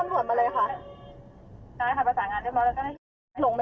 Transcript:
ให้ตำรวจให้ตำรวจมาเลยค่ะ